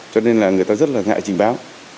cho nên là người ta rất là ngại trình báo